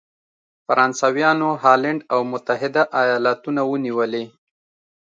فرانسویانو هالنډ او متحد ایالتونه ونیولې.